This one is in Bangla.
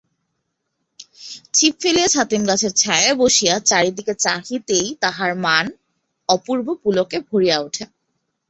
ছিপ ফেলিয়া ছাতিম গাছের ছায়ায় বসিয়া চারিদিকে চাহিতেই তাহার মান অপূর্ব পুলকে ভরিয়া ওঠে।